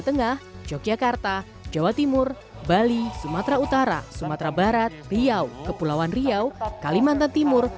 tengah yogyakarta jawa timur bali sumatera utara sumatera barat riau kepulauan riau kalimantan timur